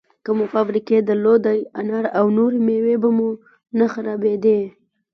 که مو فابریکې درلودی، انار او نورې مېوې به مو نه خرابېدې!